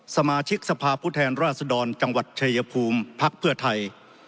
สมาชิกสภาพผู้แทนราชดรจังหวัดชายภูมิพักเพื่อไทย